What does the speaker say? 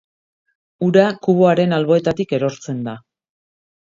Ura kuboaren alboetatik erortzen da.